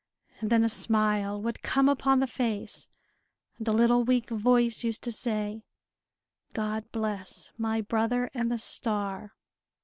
and then a smile would come upon the face, and a little weak voice used to say, "God bless my brother and the star!"